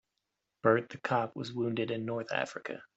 Bert the cop was wounded in North Africa.